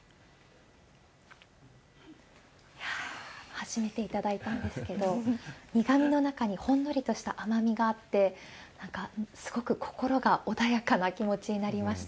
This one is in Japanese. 初めて頂いたんですけど、苦みの中にほんのりとした甘みがあって、なんか、すごく心が穏やかな気持ちになりました。